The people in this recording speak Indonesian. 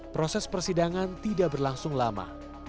proses persidangan tidak berlangsung lama